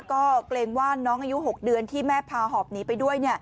ก็เกรงว่าน้องอายุ๖เดือนที่แม่พาหอบหนีไปด้วย